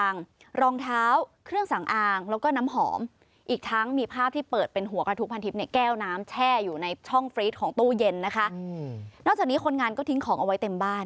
นอกจากนี้คนงานก็ทิ้งของเอาไว้เต็มบ้าน